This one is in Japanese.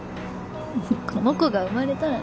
この子が生まれたらね。